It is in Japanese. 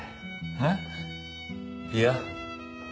えっ？いや。